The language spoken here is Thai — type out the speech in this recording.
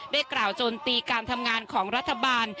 กล่าวโจมตีการทำงานของรัฐบาล